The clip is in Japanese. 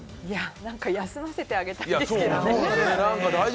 なんか休ませてあげたいですけどね。